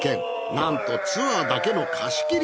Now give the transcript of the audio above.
なんとツアーだけの貸し切り。